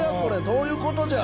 どういうことじゃ？